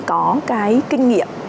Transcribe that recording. có cái kinh nghiệm